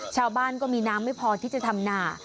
ชาวบ้านก็มีน้ำไม่พอที่จะทำหนา